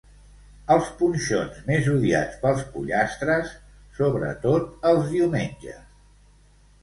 Els punxons més odiats pels pollastres, sobretot els diumenges.